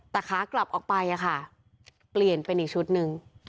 แต่ขากลับออกไปค่ะเปลี่ยนเป็นอีกชุดหนึ่ง